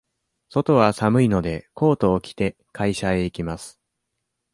外は寒いので、コートを着て、会社へ行きます。